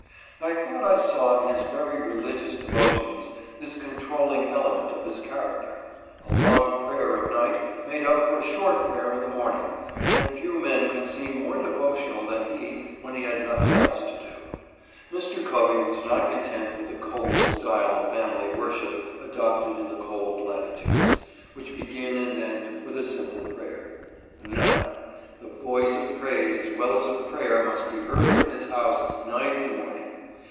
I thought I saw, in his very religious devotions, this controlling element of his char acter. A long prayer at night made up for a short prayer in the morning, and few men could seem more devotional than he when he had nothing else to do. Mr. Covey was not content with the cold style of family worship adopted in the cold latitudes, which begin and end with a simple prayer. No ! the voice of praise as well as of prayer must be heard in his house night and morning.